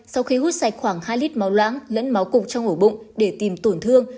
sau khi hút sạch khoảng hai lít máu lẫn máu cục trong ổ bụng để tìm tổn thương